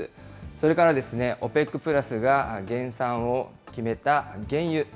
それから、ＯＰＥＣプラスが減産を決めた原油。